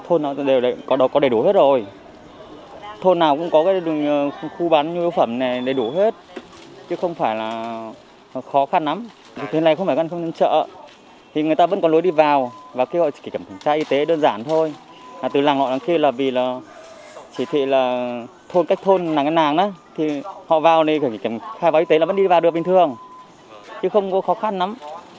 thì họ vào này khai báo y tế là vẫn đi vào được bình thường chứ không có khó khăn lắm